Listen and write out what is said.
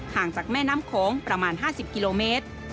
จากแม่น้ำโขงประมาณ๕๐กิโลเมตร